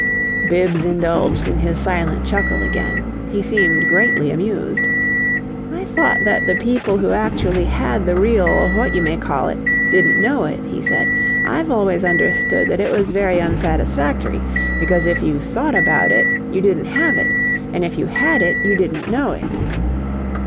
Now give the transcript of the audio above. Bibbs indulged in his silent chuckle again; he seemed greatly amused. "I thought that the people who actually had the real what you may call it didn't know it," he said. "I've always understood that it was very unsatisfactory, because if you thought about it you didn't have it, and if you had it you didn't know it."